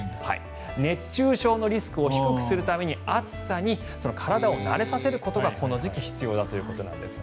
熱中症のリスクを低くするために暑さに体を慣れさせることがこの時期必要だということです。